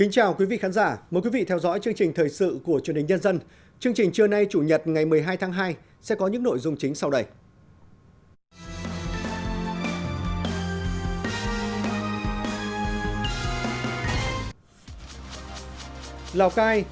chương trình trưa nay chủ nhật ngày một mươi hai tháng hai sẽ có những nội dung chính sau đây